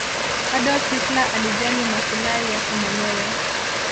adolf hilter alijali masilai yake mwenyewe